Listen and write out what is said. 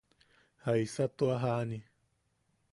¿Jaisa tua jani?